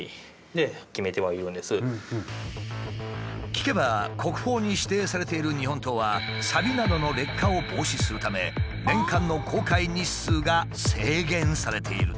聞けば国宝に指定されている日本刀はさびなどの劣化を防止するため年間の公開日数が制限されているという。